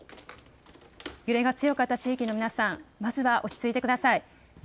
揺れが強かった地域の皆さん、まずは落ち着いてください。